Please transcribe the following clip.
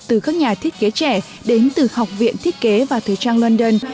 từ các nhà thiết kế trẻ đến từ học viện thiết kế và thời trang london